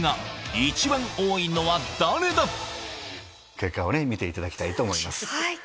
結果を見ていただきたいと思います。